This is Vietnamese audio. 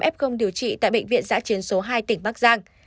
một trăm ba mươi năm f điều trị tại bệnh viện giã chiến số hai tỉnh bắc giang